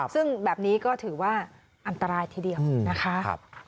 ซึ่งแบบนี้ก็ถือว่าอันตรายทีเดียวนะคะ